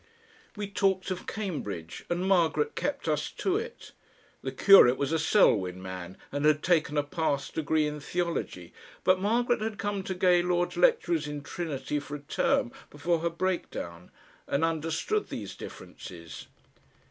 We talked of Cambridge, and Margaret kept us to it. The curate was a Selwyn man and had taken a pass degree in theology, but Margaret had come to Gaylord's lecturers in Trinity for a term before her breakdown, and understood these differences.